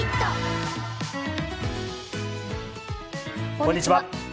こんにちは。